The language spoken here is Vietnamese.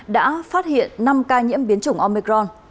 đã phát hiện năm ca nhiễm biến chủng omicron